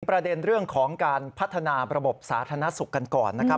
ประเด็นเรื่องของการพัฒนาระบบสาธารณสุขกันก่อนนะครับ